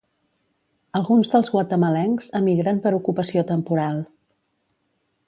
Alguns dels guatemalencs emigren per ocupació temporal.